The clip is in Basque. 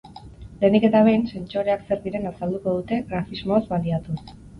Lehenik eta behin, sentsoreak zer diren azalduko dute grafismoaz baliatuz.